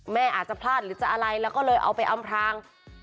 แม่อาจจะพลาดหรือจะอะไรแล้วก็เลยเอาไปอำพราง